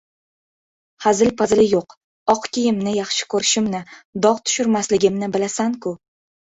-Hazil-pazili yo‘q. Oq kiyimni yaxshi ko‘rishimni, dog‘ tushirmasligimni bilasan-ku!